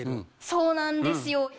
そうなんですよ。